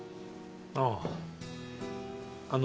ああ。